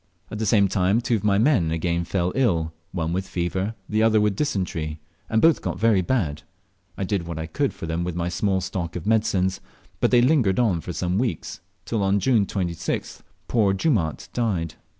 At the same time two of my men again fell ill, one with fever, the other with dysentery, and both got very bad. I did what I could for them with my small stock of medicines, but they lingered on for some weeks, till on June 26th poor Jumaat died.